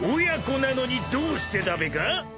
［親子なのにどうしてだべか？］